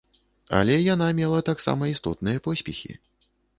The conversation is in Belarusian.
Але яна мела таксама істотныя поспехі.